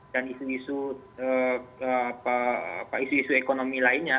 dan isu isu ekonomi lainnya